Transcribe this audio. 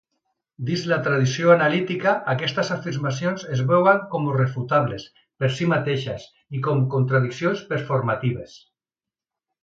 Dins la tradició analítica, aquestes afirmacions es veuen com refutables per sí mateixes i com contradiccions performatives.